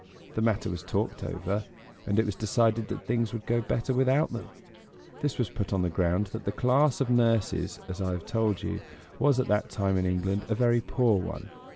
The matter was talked over, and it was decided that things would go better without them. This was put on the ground that the class of nurses, as I have told you, was at that time in England a very poor one.